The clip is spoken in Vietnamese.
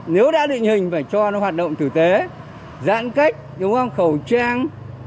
nếu đã định hình phải cho nó hoạt động tử tế giãn cách đúng không khẩu trang